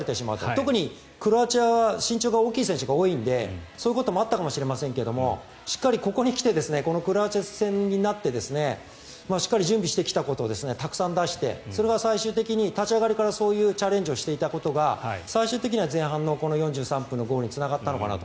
特にクロアチアは身長が大きい選手が多いのでそういうこともあったかもしれませんがしっかり、ここに来てクロアチア戦になってしっかり準備してきたことをたくさん出してそれが最終的に立ち上がりからそういうチャレンジをしていたことが最終的には前半４３分のゴールにつながったのかなと。